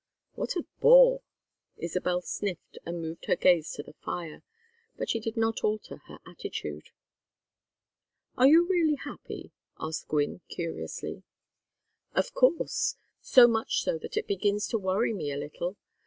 "What a bore." Isabel sniffed, and moved her gaze to the fire. But she did not alter her attitude. "Are you really happy?" asked Gwynne, curiously. "Of course. So much so that it begins to worry me a little.